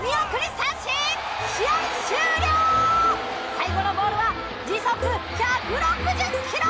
最後のボールは時速１６０ｋｍ！